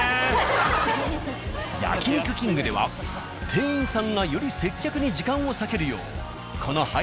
「焼肉きんぐ」では店員さんがより接客に時間を割けるようこの配膳